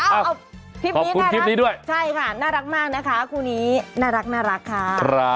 อ้าวขอบคุณคลิปนี้ด้วยใช่ค่ะน่ารักมากนะคะคู่นี้น่ารักค่ะ